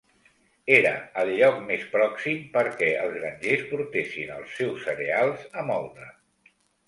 Era el lloc més pròxim perquè els grangers portessin els seus cereals a moldre.